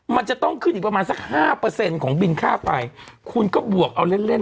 มันจะต้องขึ้นอีกประมาณสักห้าเปอร์เซ็นต์ของบินค่าไฟคุณก็บวกเอาเล่นเล่น